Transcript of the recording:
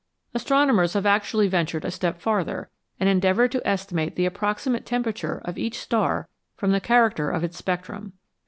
Astronomers have actually ventured a step farther, and endeavoured to estimate the approximate temperature of each star from the character of its spectrum.